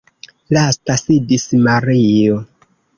Lasta sidis Mario.